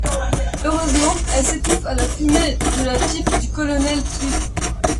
Heureusement, elle s'étouffe à la fumée de la pipe du colonel Tweed.